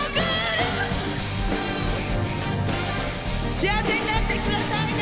幸せになってくださいね。